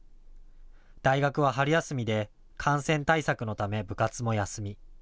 大学は春休みで感染対策のため部活も休み。